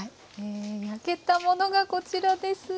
焼けたものがこちらです。